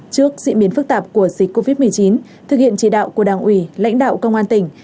trước diễn biến phức tạp của dịch covid một mươi chín thực hiện chỉ đạo của đảng ủy lãnh đạo công an tỉnh